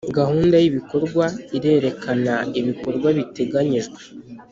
gahunda y’ibikorwa irerekana ibikorwa biteganyijwe